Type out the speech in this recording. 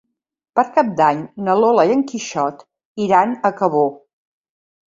Per Cap d'Any na Lola i en Quixot iran a Cabó.